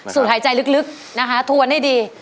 หายใจลึกนะคะทวนให้ดี